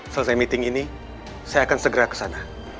selesai meeting ini saya akan segera ke sana